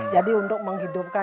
jadi untuk menghidupkan